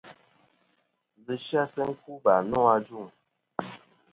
Ndzɨ sɨ-a sɨ ku va nô ajuŋ.